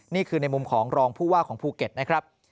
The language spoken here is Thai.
นี่คือในมุมของรองผู้ว่าของภูเก็ตนะครับ